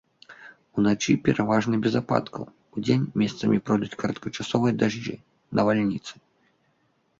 Уначы пераважна без ападкаў, удзень месцамі пройдуць кароткачасовыя дажджы, навальніцы.